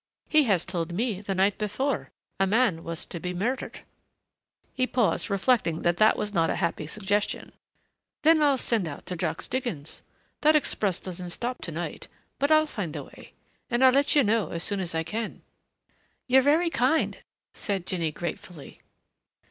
He has told me the night before a man was to be murdered." He paused, reflecting that was not a happy suggestion. "Then I'll send out to Jack's diggings. That express doesn't stop to night, but I'll find a way. And I'll let you know as soon as I can." "You're very kind," said Jinny gratefully.